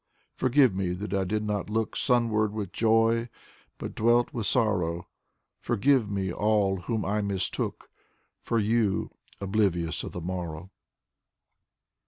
Forgive me that I did not look Sunward with joy, but dwelt with sorrow, Forgive me all whom I mistook For you, oblivious of the morrow.